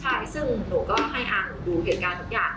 ใช่ซึ่งหนูก็ให้ทางหนูดูเหตุการณ์ทุกอย่าง